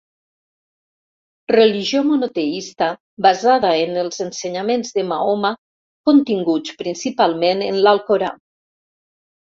Religió monoteista basada en els ensenyaments de Mahoma, continguts principalment en l'Alcorà.